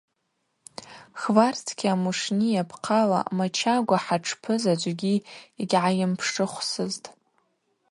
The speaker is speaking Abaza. Хварцкиа Мушни йапхъала Мачагва хӏатшпы заджвгьи йгьгӏайымпшыхвсызтӏ.